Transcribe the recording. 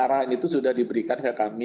dan arahan itu sudah diberikan ke kami